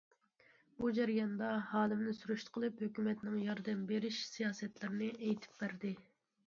بۇ جەرياندا ھالىمنى سۈرۈشتە قىلىپ، ھۆكۈمەتنىڭ ياردەم بېرىش سىياسەتلىرىنى ئېيتىپ بەردى.